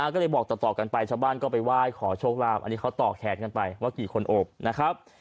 ก็เลยบอกต่อกันไปชาวบ้านก็ไปไหว้ขอโชคลาภอันนี้เขาต่อแขนกันไปว่ากี่คนโอบนะครับ